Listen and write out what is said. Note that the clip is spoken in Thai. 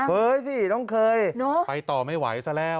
เฮ้เฮ้จริงน้องเคยนะไปต่อไม่ไหวซะแล้ว